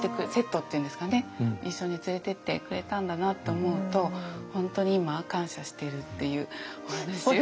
一緒に連れてってくれたんだなと思うと本当に今感謝してるっていうお話を。